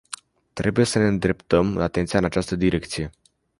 Trebuie să ne îndreptăm atenția în această direcție.